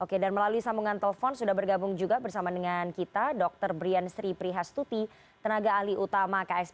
oke dan melalui sambungan telepon sudah bergabung juga bersama dengan kita dr brian sri prihastuti tenaga ahli utama ksp